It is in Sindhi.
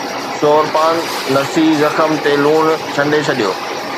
شور پاند نصيح زخم تي لوڻ ڇنڊي ڇڏيو